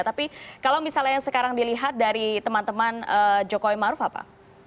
tapi kalau misalnya yang sekarang dilihat dari teman teman jokowi maruf apa